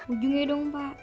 ujungnya dong pak